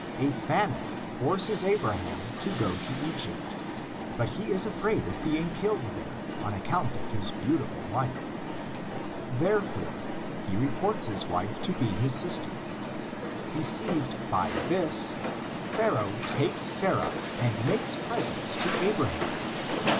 A famine forces Abraham to go to Egypt; but he is 70 THE LEGENDS OF GENESIS. afraid of being killed there on account of his beau tiful wife. Therefore he reports his wife to be his sister. Deceived by this Pharaoh takes Sarah and makes presents to Abraham.